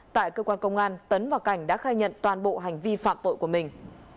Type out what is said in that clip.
tại cơ quan công an tấn và cảnh đã khai nhận toàn bộ hành vi phạm tội của mình